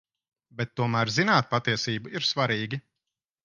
Bet tomēr zināt patiesību ir svarīgi.